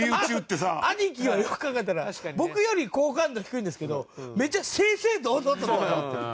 兄貴はよく考えたら僕より好感度低いんですけどめっちゃ正々堂々と戦ってる。